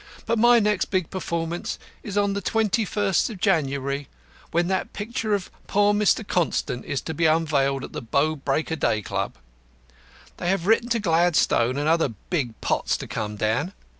"But my next big performance is on the twenty first of January, when that picture of poor Mr. Constant is to be unveiled at the Bow Break o' Day Club. They have written to Gladstone and other big pots to come down.